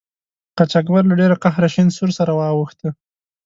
قاچاقبر له ډیره قهره شین سور سره اوښته.